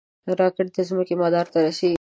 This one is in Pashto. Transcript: راکټ د ځمکې مدار ته رسېږي